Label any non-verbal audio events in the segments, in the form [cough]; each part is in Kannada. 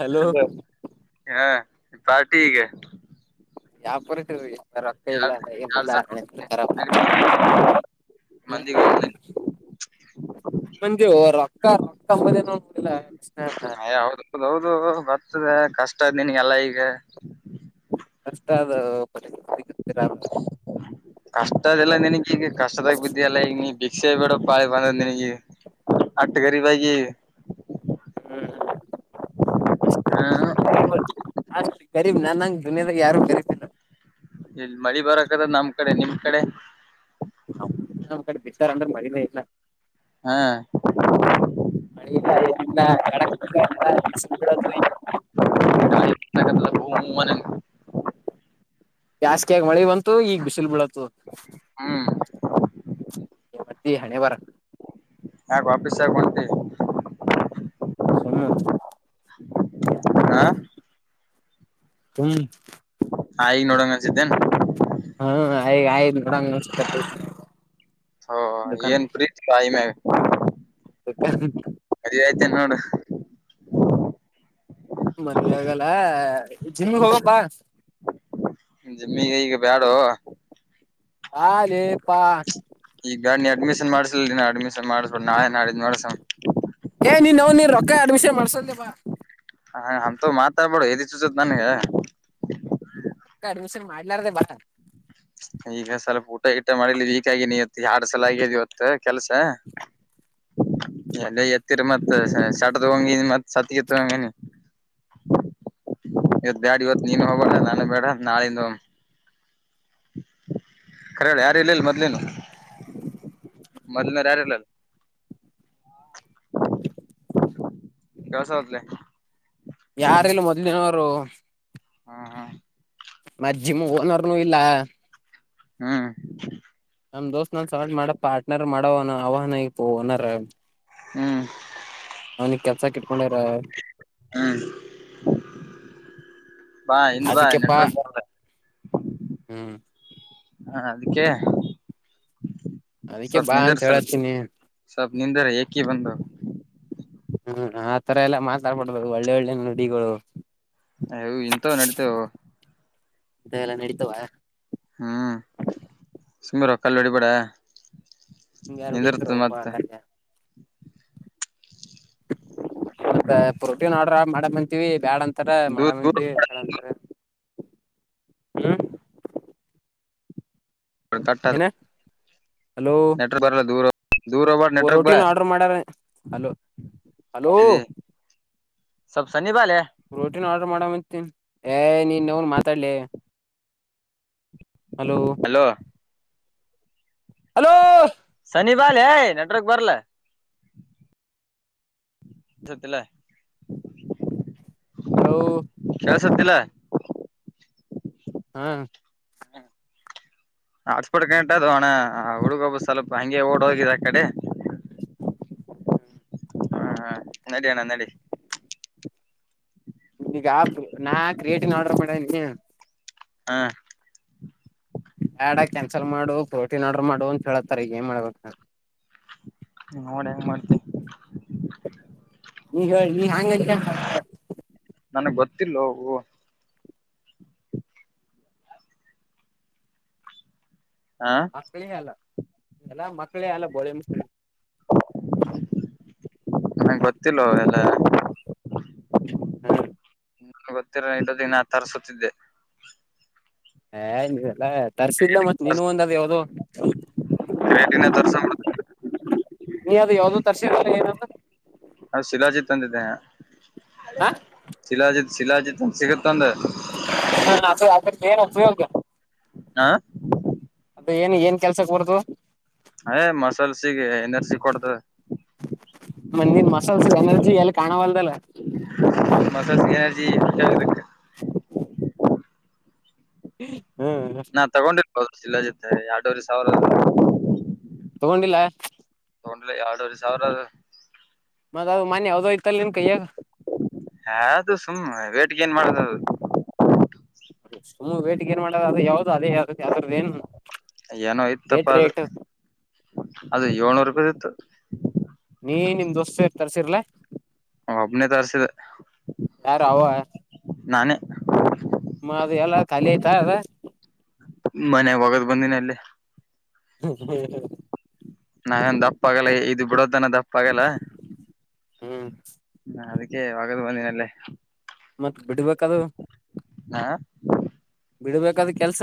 ಹಲೋ ಹಾ ಪಾರ್ಟಿಗ ಯಾವ ಪರಿಸಗೆ ರೊತ ಯಾರ್ ಇಲ್ಲಿಲ್ಲ ಸ ರ ಹ್ಮ್ ಮಂದಿಗ ಒಮ್ನೆ ಂದ ರೊಕ್ಕ ರೊಕ್ಕ ಅಂಬದ ನೋದಿಲ್ಲ ಅಯ ಹೌದ ಹೌದ ಹೌದು ಬರ್ತದೆ ಕಷ್ಟ ನಿನಗೆಲ್ಲಾ ಈಗ ಅಷ್ಟ ಅದು ಸಿಗರ ಕಷ್ಟದಲ್ಲ ನನ್ಗ್ ಈಗ ಕಷ್ಟದಾಗ ಬಿದ್ದಿ ಎಲ್ಲ ಈಗ ನೀ ಬಿಿಕ್ಷಸ ಬೇಡ ಪಳೆ ಪಂದಿನಗೆ ಆಟಗ ಬಕಿ ಹ್ಮ್ ಹ ಅಷ್ಟ ಅಷ್ಟ ಗರೀಬ್ ನನ್ಂಗ ದುನಿಯಾದಾಗ ಯಾರು ಗರೀಬ ಇಲ್ಲ ಇಲ್ಲಿ ಮಳಿ ಬರಕದ ನಮ್ ಕಡೆ ನಿಮ್ ಕಡೆ ನಮ್ ಕಡೆ ಅಂದ್ರೆ ಮಾಡಿದೆೇ ಇಲ್ಲ ಹಾ ಇನ್ನಕ್ಕೆ ತಿ ಕ ಲ್ಲ ಹಾನ ಜಸ್ಕಿಯಗ ಮಳೆ ಬಂತು ಈಗ್ ಬಿಸಿಲ್ ಬೀಳತು ಹ್ಮ್ ಇ ಹಣೆ ಬರ ಹಾ ಗಫ ಸ ಗಟೀ ಹ ಹ ಹಾ ಈಗ್ ನೋಡಂಗ ಅನ್ಸಿದ್ದೇನೆ ಹಾ ಆ ನೋಡಂಗ ದದುಕಾನ ಏನ್ ಪ್ರೀತಿ ತಾಯಿ ಮ್ಯಾಗ ಹ ಸರಿ ಆಯ್ತೆ ನೋಡ ಮದ್ವೆ ಆಗಲ್ಲ ಜಿಮಿಗೆ ಹೋಗಪ್ಪಾ ಜಮ್ಮಗ ಈಗ ಬ್ಯಾಡು ಹಾಲೇಪಾ ಈಗಾ ನೀ ಅಡ್ಮಿಷನ್ ಮಾಡ್ಸಲ್ರಿ ನಾ ಅಡ್ಮಿಷನ್ ಮಾಡ್ಸ್ಬ ನಾಳೆ ನಾಡಿದ ಮಾಡಸ ಏ ನೀನ್ ಅವ್ ನೀನ್ ರೊಕ್ಕ ಅಡ್ಮಿಷನ್ ಮಾಡ್ಸಂತೇಪ್ಪ ಹ ಅಮಂತ ಮಾತಾಡ್ಬೇಡು ಇದ ಚುಸತ್ ನನ್ಗೆ ಅ್ಮಷನ್ ಮಾಡ್ಲಾರ್ದೇ ಬಟ್ಟ ಈಗ ಸ್ವಲ್ಪ ಊಟ ಟ ಮಾಡಿಲ ಈಕ ಆಗನಿ ಇತ್ತು ಎಡ್ ಸಲ ಆಗಿದ ಇವತ್ತು ಕೆಲ್ಸ ಎಲ್ಲ ಎತ್ತೀರಿ ಮತ್ ಶಟದ ಹಂಗ ಮತ್ತ್ ಸತಿಗೆತ್ತ ಹಂಗನಿ ಹ ಇವತ್ ಬ್ಯಾಡ ಇವತ್ ನೀನು ಹೋಗಲ್ಲ ನಾನು ಬೇಡ ನಾಳಿಂದ ಕರಳ ಯಾರ ಇಲ್ಲಲ್ಲ ಮದ್ಲನು ಮದನಾರ ಯಾರಲ್ಲಲ್ಲ ದವಸಾವತ್ಲೆ ಹ ಹಾ ಹಾ ಮಜ್ಜಿಮ ಓನರ್ನು ಇಲ್ಲ. ಹ್ಮ. ನಮ್ ದೋಸ್ತ್ ನ ಸ ಮಾಡ ಪಾರ್ಟರ್ ಮಾಡವ ಆವನ ಇಪ್ ಓನರ್ ಹ್ಮ. ಕೆಲ್ಸಕ ಇಟ್ಕೊಂಡರ ಹ್ಮ. [inaudible] ಬಾ ಹಿಂದ ಬಾ ನೆಟ್ರಕ್ ಬರವಾತ. ಹ್ಮ. ಹಾ ಅದಕ್ಕೆ ಅದಕ್ಕೆ ಸಪ್ಪ ಬಾ ನಿಂದ್ರ ಅಂತ ಸ್ವಲ್ಪ ಹೇಳತೀನಿ ಸ್ವಲ್ ನಿಂದ್ರ ಏಕಿ ಬಂದವ. ಹ್ಮ ಆತರ ಎಲ್ಲಾ ಮಾತಾಡ್ಬಡದು ಒಳ್ಳೆ ಒಳ್ಳೆ ನುಡಿಗಳು ಅವು ಇಂತವ ನಡತವ ಇಂತಾವ ಎಲ್ಲ ನಡೀತಾವ. ಹ್ಮ ಸುಮ್ಮರೋ ಕಲ್ಲ ಹೊಡಿಬೇಡ. ನಿಂಗ ಯಾರ ನಿಂದಿರ್ತದ ಹೋಡಿತಾರುಪ ಮತ್ತೆ ಕಲ್ಲ ಸ್ವಲ್ಪ ಪ್ರೋಟೀನ್ ಆರ್ಡ್ರ ಮಾಡಮ ಅಂತೀವಿ. ಬ್ಯಾಡ ಅಂತಾರ ದೂರ ಮಾಡಣ ದೂರ ಅಂತೀವಿ ಬ್ಯಾಡ ಅಂತಾರ ಹ್ಮ. ತಟ್ಟದ ಹಲೋ ದೂರ ಹೋಗ್ಬೇಡ ನೆಟ್ವರ್ಕ್ ಬಾ ರೋಟಿನ ಆರ್ಡ್ರ್ ಮಾಡ್ಯಾರ. ಹಲೋ ಹಲೋ ಸಬ್ಸ ಪ್ರೊಟಿನ ಆರ್ಡ್ರರ್ ಮಾಡಂತನ ಏ ನೀನ್ ಅವನ್ ಮಾತಾಡ್ಲ ಹಲೋ ಹಲೋ ಸನಿ ಬಾಲೆ ಬರಲ ತ್ತಲ್ಲ ಹಲೋ ಕೆಲಸತ್ತಲ ಹ್ಮ. ಹಾಟ್ಸ್ಪಾಟ್ ಕನೆಕ್ಟ್ ಅದೊ ಅನಾ ಹುಡುಗೊಬ ಸ್ವಲ್ಪ ಹಂಗೆ ಓಡ್ ಹೋಗಿದೆ ಆ ಕಡೆ ಹಾ ಹಾ ನಡಿಯಣ ನ್ನೆಡಿ. ಈಗ ನಾ ಕ್ರಿಯೇಟಿ ನಾಡರ ಮಾಡಿಣಿ. ಹ್ನ. ಬ್ಯಾಡ ಕ್ಯಾನ್ಸಲ್ ಮಾಡು ಪೋಟಿನ್ ಆರ್ಡರ್ ಮಾಡು ಅಂತ ಹೇಳತಾರ ಈಗ ಏನ್ ಮಾಡ್ಬೇಕ. ನೋಡ ಹೆಂಗ ಮಾಡ್ತಿ. ನೀ ಹೇಳ್ ನೀ ಹೆಂಗ ಅಂತಿ [unintelligible] ನನಗ ಗೊತ್ತಿಲೋ ಅವು ಹ [unintelligible] ನನಗ ಗೊತ್ತಿಲ್ಲೊ ಅವ ಎಲ್ಲ ಹ್ನ. ಗೊತ್ತಿರ ಇಟದ ನಾ ತರ್ಸುತ್ತಿದ್ದೆ. ಹ ನೀವೆಲ್ಲಾ ತರ್ಸಿದ್ಲ ಮತ್ತ ನೀನು ಒಂದ ಅದ ಯಾವ್ದೋ [unintelligible] ನೀ ಅದು ಯಾವ್ದೋ ತರ್ಸಿದಲ್ಲ ಏನದು ನಾ ಶಿಲಾಜಿ ತಂದಿದ್ದೇ. ಹ ಶಿಲಾಜಿತ್ ಶಿಲಾಜಿತ್ ಅಂದ ಸಿಗತ್ ಅಂದ [unintelligible] ಹ್ಞಾ ಅದು ಏನ್ ಏನ್ ಕೆಲ್ಸಕ್ಕ ಬರದು ಏ ಮಸಲ್ ಸಿಗ ಅನರ್ಸಿ ಕೊಡ್ತದ. ನಂದೆನು ಮಸಲ್ಸ್ ಎನರ್ಜಿ ಎಲ್ಲಿ ಕಾಣವಲ್ದಲ್ಲ ಹೇ [inaudible] [inaudible] [inaudible] ನಾ ತಗೊಂಡಿಲ್ವ ಅವರು ಜೊತೆ ಎರಡು ವರೆ ಸಾವಿರ ತಗೊಂಡಿಲ್ಲ ತಗೊಂಡಿಲ್ಲ ಎರಡೂವರೆ ಸಾವಿರ ಅದು ಮತ್ತ ಅದು ಮನ್ಯ ಯಾವ್ದೋ ಇತಲ್ಲ ನಿನ್ ಕೈಯ್ಯಗ ಹಾದು ಸುಮ್ಮ್ನೆ ವೇಟ್ ಗೇನ್ ಮಾಡದದು ಹ್ಮ್ ವೇಟಿ ಗೈನ್ ಮಾಡದು ಅದೇ ಯಾವ್ದು ಅದೆ ಯಾವ್ದು ಏನೋ ಇತ್ತಪ್ಪ ಏಟ್ ಅದು...... ರೇಟ್ ಅದು ಏಳ್ನೂರು ರೂಪಾಯ ಇತ್ತು ನೀ ನಿಮ್ ಡೋಸ್ತ ತರ್ಸಿರ್ಲ ಒಬ್ಬನೇ ತರ್ಸಿದೆ ಯಾರು ಅವ ನಾನೇ ಮತ್ತೆ ಎಲ್ಲ ಕಾಲಿ ಆಯ್ತಾ ಅದು ಮನ್ಯಾಗ ಹೊಗದೇ ಬಂದಿನ ಇಲ್ಲಿ ಹ್ಮ ಹ್ಮ ನಾವೇನು ದಪ್ಪಾಗಲ್ಲ ಇದು ಬಿಡದು ನ ದಪ್ಪ ಆಗಲ್ಲ ಹ್ಮ್ ಅದಕ್ಕೆ ಆಗದು ಬಂದಿನಲ್ಲೇ ಮತ್ತ ಬಿಡ್ಬೇಕದು ಹಾ ಬಿಡ್ಬೇಕದು ಕೆಲ್ಸ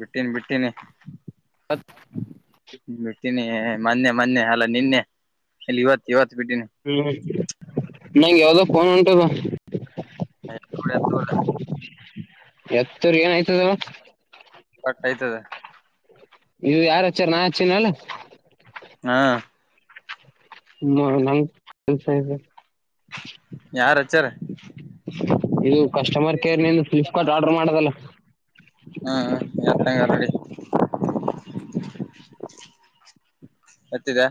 ಬಿಟ್ಟಿನಿ ಬಿಟ್ಟಿನಿ ಹತ್ತು ಹ ಮೊನ್ನೆ ಮೊನ್ನೆ ಅಲ್ಲ ನೆನ್ನೆ ಇಲ್ಲ ಇವತ್ತು ಇವತ್ತು ಹ್ಮ್ ನಂಗೆ ಯಾವ್ದ ಫೋನ್ ಉಂಟದ ಎತ್ಕೊಳ ಹ ಎತ್ಕೊಳ [inaudible] ಎತ್ತರು ಏನಯ್ತದ ಒಟ್ಟ ಆಯ್ತದ ನೀವು ಯಾರಚ್ಚಾರ ನಾ ಹಚ್ಚಿಲೆನ ಹಾ ನೋಡುಮ ಕೆಲ್ಸ ಇದೆ ಯಾರಚ್ಚಾರ ಇದು ಕಸ್ಟಮರ್ ಕೇರ್ ನಿ ಫ್ಲಿಪ್ಕಾರ್ಟ್ ಆರ್ಡರ್ ಮಾಡದಲ್ಲ ಹ್ಮ್ ಎತ್ತ ತಗಂಡ್ ಹೊಡಿ ಹತಿದ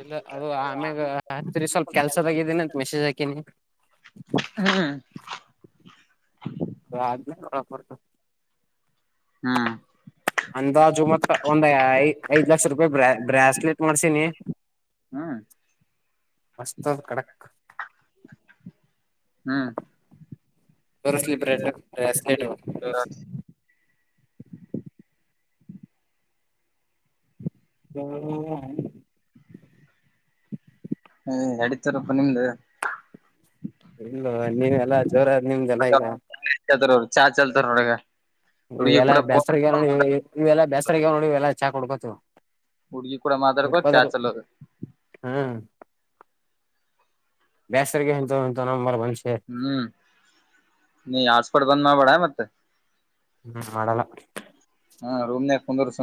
ಇಲ್ಲ ಅದು ಆಮ್ಯಾಗ ಹತ್ರಿ ಸ್ವಲ್ಪ ಕೆಲ್ಸದಾಗಿದೀನಂತ ಮೆಸೇಜ್ ಹಾಕಿನಿ ಹ್ಮ್ [unintelligible] [inaudible] ಹ್ಮ್ ಅಂದಾಜು ಮತ್ತಾ ಒಂದು ಲಕ್ಷ ರೂಪಾಯ ಬ್ರಸ್ಲೆಟ್ ಮಾಡಸಿನೀ ಹ್ಮ್ ಮಸ್ತದ ಕಡಕ್ ಹ್ಮ್ ತರಿಸ್ಲಿ ಬ್ರಾಸ್ಲೆಟ್ [unintelligible] ಹ್ಮ ಅಡಿತರ ಅಮೇಲೆ ಇಲ್ಲ ನೀವೆ ಎಲ್ಲ ಜೋರಾದ ನಿಮಗೆಲ್ಲ ಈಗ ಅವರು ಚಾ ಚಲ್ತ ರೋಡಗ ಇವೆಲ್ಲ ಬೇಸ್ರಗ ನೋಡಿ ಇವೆಲ್ಲ ಬೇಸ್ರಗ ನೋಡಿವೆಲ್ಲಾ ಚಾ ಕೊಡ್ಕೋತ ಹುಡುಗಿ ಕೂಡ ಮಾತಾಡ್ಕೋತ ಚಾ [unintelligible] ಚಲೋದು ಹ್ಮ್ ಬೇಸರಿಗೆ ಇಂತ ಇಂತ ನಂಬರ್ ಬಂದ್ ಸೇರ್ ಹ್ಮ್ ನೀ ಆಸ್ಪಟ್ಬಂದ ಮಾಡ ಬೇಡ ಮತ್ತ [unintelligible] [inaudible] ಹ್ಮ್ ಮಾಡಲ್ಲ ಹಾ ರೂಮ್ ನ ಕುಂದರುಷ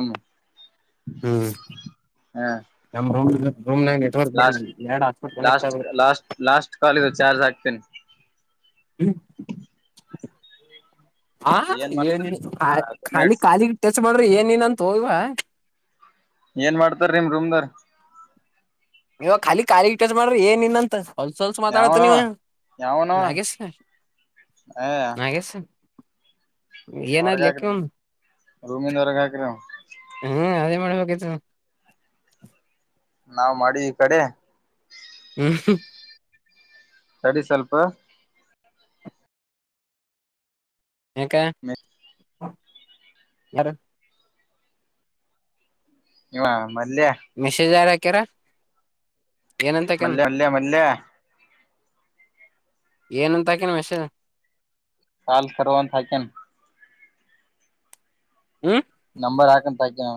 ಹ್ಮ್ ನ ಲಾಸ್ಟ್ ಲಾಸ್ಟ್ ಆಗ್ಬೇಕು ಲಾಸ್ಟ್ ಲಾಸ್ಟ್ ಕಾಲ್ ಚಾರ್ಜ್ ಹಾಕ್ತೇನಿ ಹ್ಮ ಹ ಏನ್ ಏನ ಮಾಡ್ತ ಖಾಲಿ ಖಾಲಿ ಟಚ್ ಮಾಡ್ರೆ ಏನ್ನ್ ಅಂತ ಹೆನ್ ಹೆನ್ ಇವ ಏನ್ ಮಾಡ್ತಾರ ರೀಮ ರೂಮ್ದರ್ ಇವಾಗ ಖಾಲಿ ಖಾಲಿ ಇಟರ್ಸ್ ಮಾಡ್ರಿ ಏನ್ ಇನ್ನಂತ ಹೊಲ್ಸಲ್ಸ ಮಾತಾಡತ ನೀ ಯಾವನವ ಯಾವನವ ನಾಗೆಸ ಏ ನಾಗಸ ಏನ್ ಲೆಕ್ಕ ಹೊರಗಾಕ್ರಿ ರೂಮಿಂದ ಹೊರಗ ಹಾಕ್ರಿ ಹ್ಮ ಅದೇ ಮಾಡ್ಬೇಕ ಹ ನಾವ್ ಮಾಡಿವಿ ಈ ಕಡೆ ಹ್ಮ್ ತಡಿ ಸ್ವಲ್ಪ ಏಕ್ಕ ಯಾರ ಹ ಮೆಸೇಜ್ ಯಾರ ಕರಿ ಮಲ್ಲೆ ಮಲ್ಲೆ ಮಲ್ಯ ಏನಂತಾಕನ ಅಕೇನ್ ಮೆಸೇಜ್ ಕಾಲ್ ಕರೋ ಅಂತ ಕೆ ಹ್ಮ ನಂಬರ್ ಹಾಕುವಂತಹ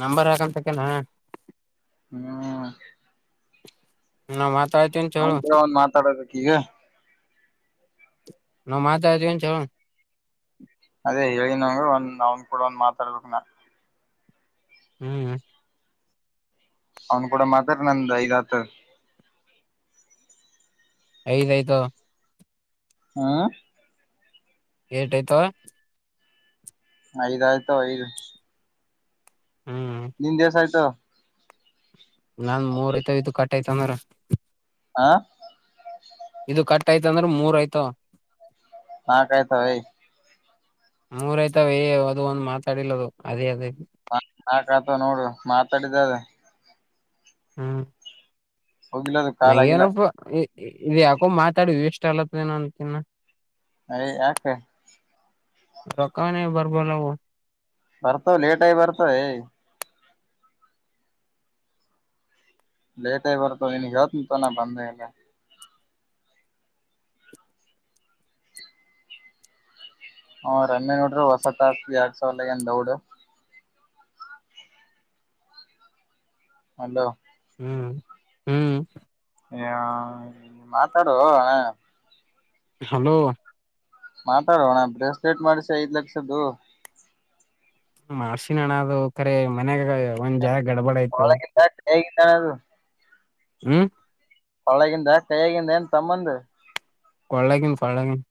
ನಂಬರ್ ಹಾಕಂತಕ್ಕನಾ ಹ್ಮ ನಮ್ಮ ಅವನ್ ಕ ಒಂದ ಮಾತಾಡದಕ್ಕೆ ಈಗ ನಾ ಮಾತಾರತವನ್ ಚೋ ಅದೇ ಹೇಳಿ ನಂಗ ಒಂದ ಅವನ್ ಕೂಡ ಒಂದ್ ಮಾತಾಡ್ಬೇಕಕ್ ನ ಹ್ಮ್ ಅವ್ನ್ ಕೂಡ ಮಾತಾರ ನಂದ ಐದ್ ಹತ ದು ಈತ ಹಾ ಏಟಐ್ತ ಐದ್ ಆಯ್ತಾ ಐದು ಹ್ಮ್ ನಿಂದ ಹೆಸ್ಟ್ ಆಯ್ತು ನಾನ್ ಮೂರ್ ಐತ ಇದು ಕಟ್ಟಯ್ತ ಅಂದ್ರ ಆ ಇದು ಕಟ್ ಆಯ್ತ ಅಂದ್ರೆ ಮೂರ್ ಆಯ್ತು ನಾಕ್ ಆಯ್ತಾವೆ ಮೂರಯ್ತಾವ ಅದು ಒಂದ್ ಮಾತಾಡಿಲ್ಲದು ಅದೇ ಅದೇ ಪಡೆದಾವ ಹ್ಮ ಹೋಗಿಲ್ಲದು ಕಾಲ್ ನಂಗ ಆಗಿಲ್ಲ ಏನಪ್ಪ ಇ ಯಾಕೋ ಮಾತಾಡ ಇಷ್ಟ ಅಲತ್ ಏನ ಅನ್ಕನ್ನ ಅ ಯಕ ರಕಾನ ಬರ್ಬಲವೋ ಬರ್ತಾವ ಲೇಟ್ ಆಗಿ ಬರ್ತಾವ ಏ ಲೇಟ್ ಆಗ ಬರ್ತ ನಿನ್ ಹೇತ್ ನಿಂತ ನ ಬಂದ ಇಲ್ಲ ಹ ರಮ್ಮೆ ನೋಡ್ರಿ ಹೊಸತ ಆ ಯಡ್ ಸಾವಲ ಏನ್ ದೌಡ್ ಹಲೋ ಹ್ಮ್ ಹ್ಮ್ ಹ ಮಾತಾಡು ಹಣ ಹಲೋ ಮಾತಾಡೋಣ ಬ್ರೆಸ್ಲೆೇಟ್ ಮಾಡಿಸಿ ಐದ್ ಲಕ್ಷದ್ದು. ಮಾರ್ಷಿನಣ ಅದು ಕರೆ ಮನ್ಯಾಗ ಒಂದ್ ಜಾಗ ಗಡಬಡ ಆಯ್ತು. ಹೇಗಿಟಾನನು ಹ್ಮ ಒಳಗಿಂದ ಕೈಯಾಗಿಂದ ಏನ್ ತಮ್ಮಂದು ಕೊಳ್ಳಗಿನ ಕೋಳ್ಳಗಿನ್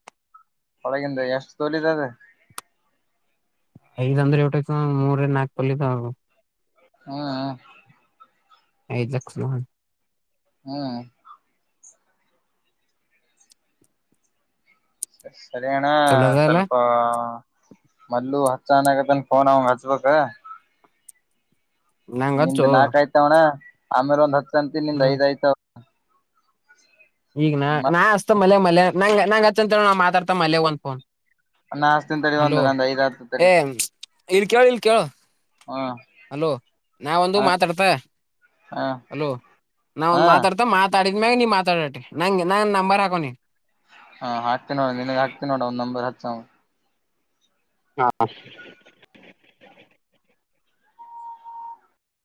ಕೊಳಗಿಂದ ಎಷ್ಟು ತೋಲಿದದ. ಐದ್ ಅಂದ್ರೆ ಎಟ ಆಯ್ತಾ ಮೂರ ನಾಲ್ಕು ತಲ್ಲಿದ. ಹ್ಮ್ ಹ ಐದಕ್ಸ್ ಮಾನ ಹ್ಮ ಸರಿ ಅಣ್ಣ ಚಲೋದಲ್ಲ ಸ್ವಲ್ಪ ಮಲ್ಲು ಅಚಾನಕತನ್ ಫೋನ್ ಅವಗ ಹಚ್ಬಬೇಕು. ನಂಗ ಹಚ್ಚು ನಿಂದು ನಾಕ ಆಯ್ತಾವಣ್ಣ ಆಮೇಲೆ ಒಂದ್ ಅಚ್ಚು ನಿಂದ್ ಹ್ಮ್ ಐದ್ ಆಯ್ತ. [inaudible] ಈಗ ನ ನಾ ಅಚಾ ಮಲ್ಯಾ ಮಲ್ಯಾ ನಂಗ ನಂಗ ಅಚ್ಚ ಅಂತ ಹೇಳ ನಾ ಮಾತಾಡ್ತ ಮಲ್ಯಾ ಒಂದ್ ಫೋನ್. ನಾ ಹಸ್ತಿನ ತಡಿ ಒಂದು ಹಲೋ ನಂದ್ ಐದ್ ಆತ ತಡಿ ಏ ಇಲ್ಲಿ ಇಲ ಕೇಳ. ಹ್ಮ ಹಲೋ ನಾವ ಒಂದು ಹ ಮಾತಾಡ್ತ. ಹ ಹಲೋ ನಾವ ಒಂದ್ ಹಾ ಮಾತಾಡ್ತ ಮಾತಾಡಿದ್ಮ್ಯಾಗ ನೀ ಮಾತಾಡಟಿ ನಂಗ ನಾ ನಂಬರ್ ಹಾಕವಾನಿಗ. ಹಾ ಹಾಕ್ತಿನಿ ನೋಡ ನಿನಗ್ ಹಾಕ್ತಿನಿ ನೋಡ [unintelligible] ಹಾ